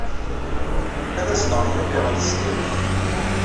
Ad azneɣ memmi ɣer tesdawit.